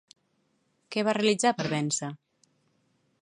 Què va realitzar per vèncer?